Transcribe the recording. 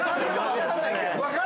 分かる？